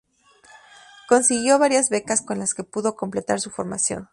Consiguió varias becas con las que pudo completar su formación.